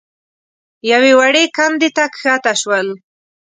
يوې وړې کندې ته کښته شول.